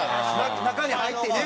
中に入ってね。